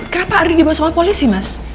kenapa ada dibawa sama polisi mas